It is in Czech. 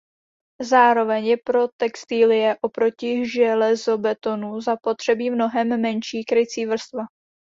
Zároveň je pro textilie oproti železobetonu zapotřebí mnohem menší krycí vrstva.